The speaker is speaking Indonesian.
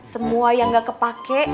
semua yang gak kepake